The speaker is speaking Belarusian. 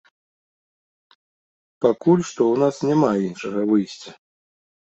Пакуль што ў нас няма іншага выйсця.